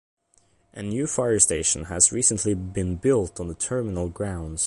A new fire station has recently been built on the terminal grounds.